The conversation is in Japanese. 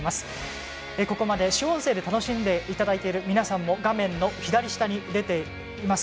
ここまで主音声で楽しんでいただいている皆さんも画面の左下に出ています